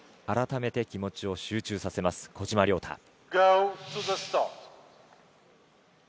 改めて気持ちを集中させます小島良太。